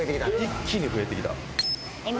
一気に増えてきた。